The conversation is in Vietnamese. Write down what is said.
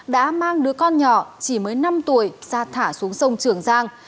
đã mang đứa con nhỏ chỉ mới năm tuổi ra thả xuống sông trường giang